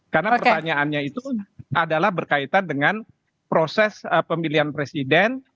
karena pertanyaannya itu adalah berkaitan dengan proses pemilihan presiden